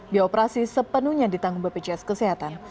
biaya operasi sepenuhnya ditanggung bpjs kesehatan